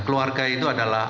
keluarga itu adalah